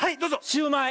シューマイ！